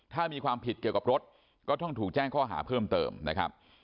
ถ้ามีความผิดเกี่ยวกับรถก็ต้องถูกแจ้งข้อหาเพิ่มเติมนะครับ